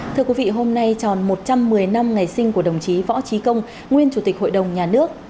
thưa quý vị hôm nay tròn một trăm một mươi năm ngày sinh của đồng chí võ trí công nguyên chủ tịch hội đồng nhà nước